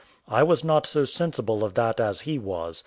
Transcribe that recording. I was not so sensible of that as he was.